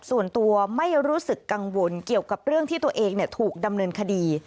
ส่วนตัวไม่รู้สึกกังวลเกี่ยวกับเรื่องที่ตัวเองถูกดำเนินคดี